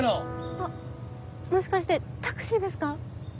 あっもしかしてタクシーですか？